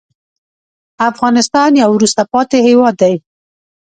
افغانستان یو وروسته پاتې هېواد دی.